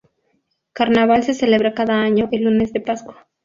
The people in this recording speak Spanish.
El carnaval se celebra cada año el Lunes de Pascua.